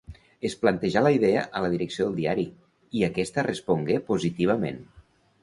Es plantejà la idea a la direcció del diari i aquesta respongué positivament.